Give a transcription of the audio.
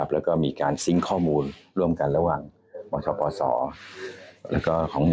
แล้วก็มีการซิงค์ข้อมูลร่วมกันระหว่างบชปศแล้วก็ของ๑